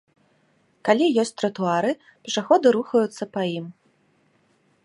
Калі ёсць тратуары, пешаходы рухаюцца па ім.